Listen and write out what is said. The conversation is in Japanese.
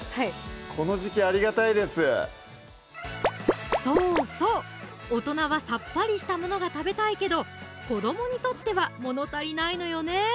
この時季ありがたいですそうそう大人はさっぱりしたものが食べたいけど子どもにとってはもの足りないのよね